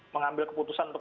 mengambil keputusan untuk